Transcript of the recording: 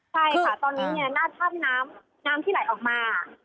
ใช่ค่ะตอนนี้เนี่ยหน้าถ้ำน้ำที่ไหลออกมา